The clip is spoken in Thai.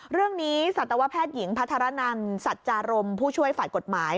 เรื่องนี้สัตวแพทย์หญิงพัทรนันสัจจารมผู้ช่วยฝ่ายกฎหมาย